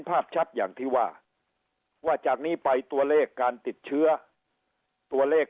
ภาพชัดอย่างที่ว่าว่าจากนี้ไปตัวเลขการติดเชื้อตัวเลข